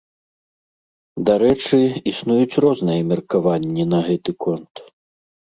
Дарэчы, існуюць розныя меркаванні на гэты конт.